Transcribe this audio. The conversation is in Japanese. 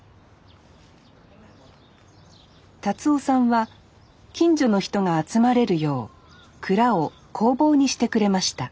達男さんは近所の人が集まれるよう蔵を工房にしてくれました